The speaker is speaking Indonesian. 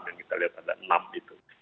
yang kita lihat ada enam itu